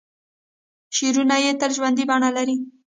شعرونه یې تل ژوندۍ بڼه لري.